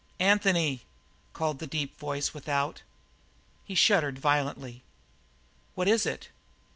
"Anthony!" called the deep voice without. He shuddered violently. "What is it?"